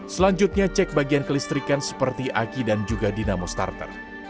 selanjutnya cek bagian kelistrikan seperti aki dan juga dinamo starter